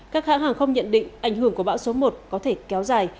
các hãng hàng không nhận định ảnh hưởng của bão số một có thể kéo dài